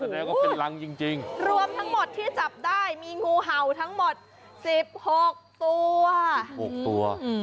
รวมทั้งหมดที่จับได้มีงูเห่าทั้งหมด๑๖ตัว